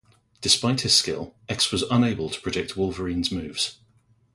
Despite his skill, X was unable to predict Wolverine's moves.